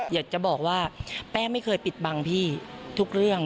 อยากจะบอกว่าแป้ไม่เคยปิดบังพี่ทุกเรื่อง